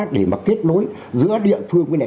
để mà kết nối giữa địa phương với lại